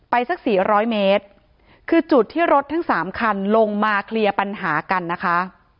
สักสี่ร้อยเมตรคือจุดที่รถทั้งสามคันลงมาเคลียร์ปัญหากันนะคะ